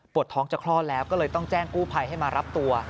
ท้องจะคลอดแล้วก็เลยต้องแจ้งกู้ภัยให้มารับตัว